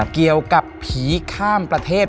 เกี่ยวกับผีข้ามประเทศ